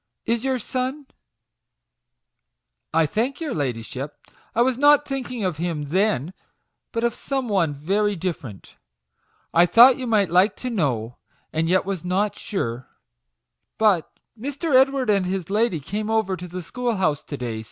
Is your son "" I thank your ladyship, I was not thinking of him then, but of some one very different. 1 thought you might like to know, and yet was not sure but Mr. Edward and his lady came over to the school house to day," MAGIC WORDS.